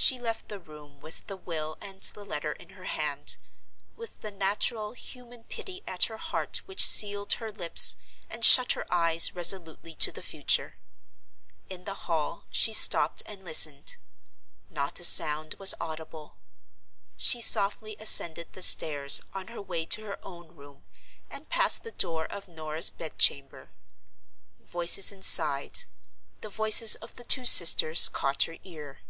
She left the room, with the will and the letter in her hand—with the natural, human pity at her heart which sealed her lips and shut her eyes resolutely to the future. In the hall she stopped and listened. Not a sound was audible. She softly ascended the stairs, on her way to her own room, and passed the door of Norah's bed chamber. Voices inside, the voices of the two sisters, caught her ear.